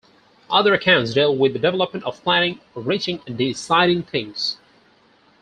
Other accounts deal with the development of planning, reaching, and deciding things.